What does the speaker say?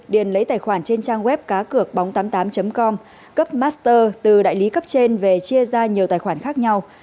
điền lấy tài khoản trên trang web cácượcbóng tám mươi tám com cấp master từ đại lý cấp trên về chia ra nhiều tài khoản khác nhau